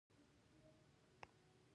بیا هم؟